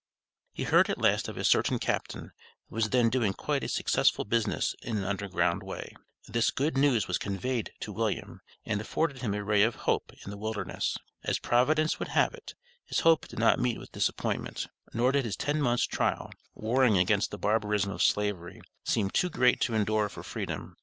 He heard at last of a certain Captain, who was then doing quite a successful business in an Underground way. This good news was conveyed to William, and afforded him a ray of hope in the wilderness. As Providence would have it, his hope did not meet with disappointment; nor did his ten months' trial, warring against the barbarism of Slavery, seem too great to endure for Freedom.